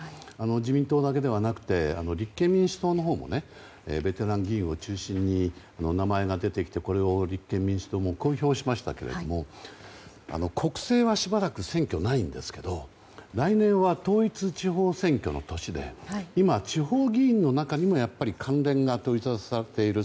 自民党だけでなくて立憲民主党のほうもベテラン議員を中心に名前が出てきてこれを立憲民主党も公表しましたけど国政はしばらく選挙ないんですけど来年は統一地方選挙の年で今、地方議員の中にもやはり関連が取りざたされている